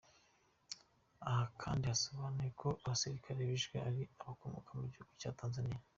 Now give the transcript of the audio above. Aha kand, yasobanuye ko abasirikare bishwe ari abakomoka mu gihugu cya Tanzaniya.